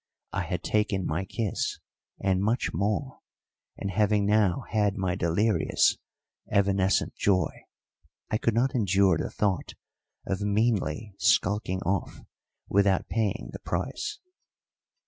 I had taken my kiss and much more, and, having now had my delirious, evanescent joy, I could not endure the thought of meanly skulking off without paying the price.